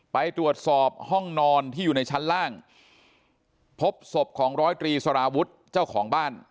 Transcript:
ไปตรวจสอบห้องนอนที่อยู่ในชั้นล่างพบศพของร้อยตรีสารวุฒิเจ้าของบ้าน